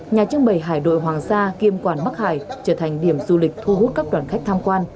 nhà trưng bày hải đội hoàng gia kiêm quản bắc hải trở thành điểm du lịch thu hút các đoàn khách tham quan